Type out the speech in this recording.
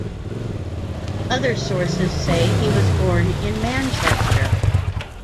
Other sources say he was born in Manchester.